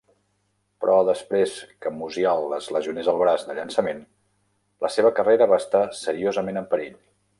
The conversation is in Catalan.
Però, desprès que Musial es lesionés el braç de llançament, la seva carrera va estar seriosament en perill.